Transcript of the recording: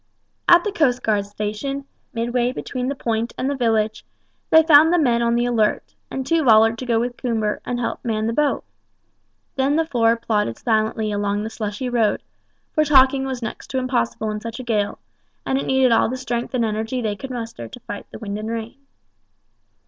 At the coastguard station, midway between the Point and the village, they found the men on the alert, and two volunteered to go with Coomber and help man the boat. Then the four plodded silently along the slushy road, for talking was next to impossible in such a gale, and it needed all the strength and energy they could muster to fight the wind and rain.